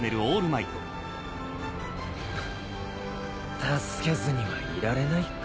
フッ助けずにはいられないか。